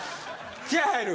気合入る？